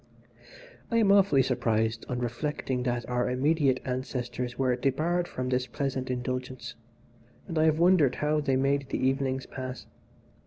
"I am often surprised on reflecting that our immediate ancestors were debarred from this pleasant indulgence, and I have wondered how they made the evenings pass.